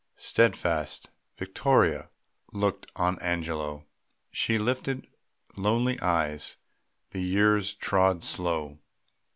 Steadfast, Vittoria looked on Angelo. She lifted lonely eyes. The years trod slow.